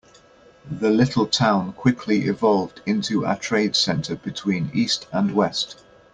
The little town quickly evolved into a trade center between east and west.